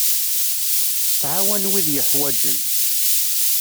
Tettɛawan wid yeḥwaǧen.